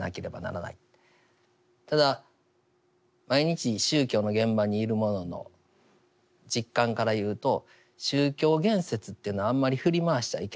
ただ毎日宗教の現場にいる者の実感から言うと宗教言説っていうのはあんまり振り回しちゃいけない。